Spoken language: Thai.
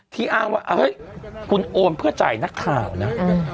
อ้างว่าเฮ้ยคุณโอนเพื่อจ่ายนักข่าวนะ